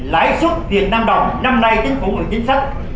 lãi suất việt nam đồng năm nay chính phủ về chính sách